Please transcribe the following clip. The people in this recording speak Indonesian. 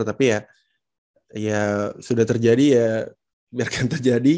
tapi ya sudah terjadi ya biarkan terjadi